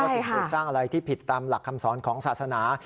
สิ่งปลูกสร้างอะไรที่ผิดตามหลักคำสอนของศาสนา